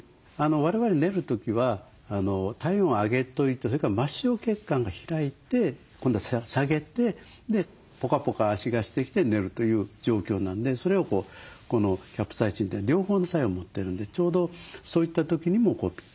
我々寝る時は体温を上げといてそれから末梢血管が開いて今度は下げてポカポカ足がしてきて寝るという状況なんでそれをこのキャプサイシンって両方の作用を持ってるんでちょうどそういった時にもピッタリですよね。